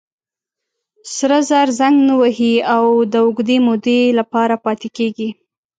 سره زر زنګ نه وهي او د اوږدې مودې لپاره پاتې کېږي.